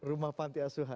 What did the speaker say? rumah panti asuhan